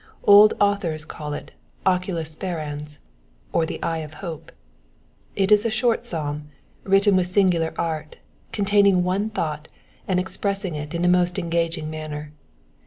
Old authors ocdl it Oculus Sperans, or the eye of hope. It is a short psahn, wriUen with singular art, containing one thought, and expressing Uina most engaging manner.